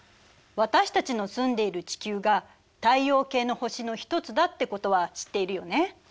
私たちの住んでいる地球が太陽系の星の一つだってことは知っているよね。